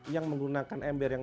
yang menggunakan ember yang